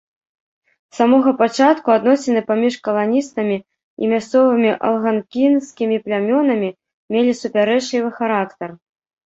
З самога пачатку адносіны паміж каланістамі і мясцовымі алганкінскімі плямёнамі мелі супярэчлівы характар.